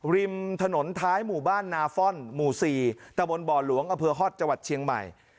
ริมถนนท้ายหมู่บ้านนาฟ่อนหมู่๔ตะบนบ่อหลวงอำเภอฮอตจังหวัดเชียงใหม่